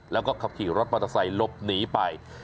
แล้วก็ขับขี่รถมอเตอร์ไซค์หลบหนีไป